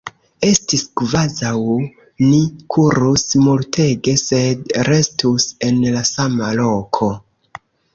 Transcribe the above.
Estis kvazaŭ ni kurus multege sed restus en la sama loko.